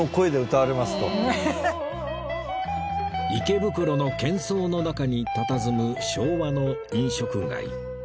池袋の喧噪の中にたたずむ昭和の飲食街